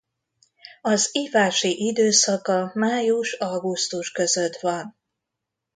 Az ívási időszaka május–augusztus között van.